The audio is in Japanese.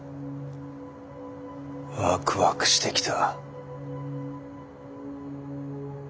ワクワクしてきた。